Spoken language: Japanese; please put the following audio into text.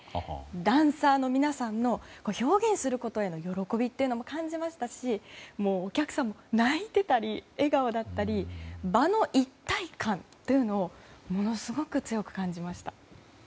ダンサーの皆さんの表現することへの喜びも感じましたしお客さんも泣いてたり笑顔だったり場の一体感というのをものすごく強く感じました。